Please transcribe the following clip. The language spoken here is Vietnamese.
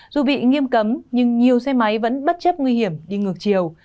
dù bị nghiêm cấm nhưng nhiều xe máy vẫn bất chấp nguy hiểm đi ngược chiều